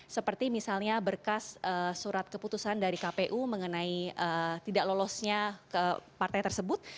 seperti misalnya berkas surat keputusan dari kpu mengenai tidak lolosnya partai tersebut